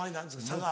差が。